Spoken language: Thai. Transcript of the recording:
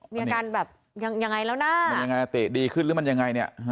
มีอาการแบบยังไงแล้วนะมันยังไงติดีขึ้นหรือมันยังไงเนี่ย